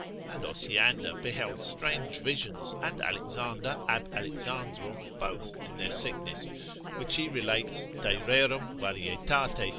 And, Osiander beheld strange visions, and Alexander ab Alexandro both, in their sickness, which he relates de rerum varietat.